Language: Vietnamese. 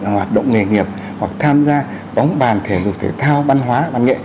hoạt động nghề nghiệp hoặc tham gia bóng bàn thể dục thể thao văn hóa văn nghệ